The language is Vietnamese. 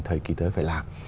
thời kỳ tới phải làm